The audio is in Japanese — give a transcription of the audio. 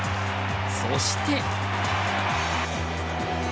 そして。